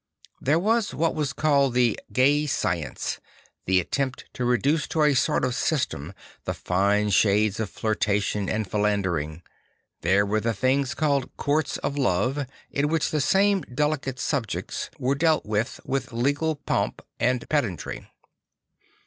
There was what was called the U Gay Science," the attempt to reduce to a sort of system the fine shades of flirtation and philander ing. There were the things called Courts of Love, in which the same delicate subjects were de'1It with with legal pomp and pedantry.